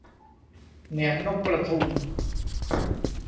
เหนียงนกกระทุง